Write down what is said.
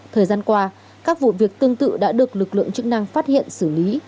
thời gian qua các vụ việc tương tự đã được lực lượng chức năng phát hiện xử lý